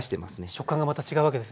食感がまた違うわけですね。